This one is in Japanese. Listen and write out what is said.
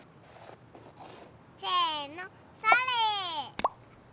せのそれ！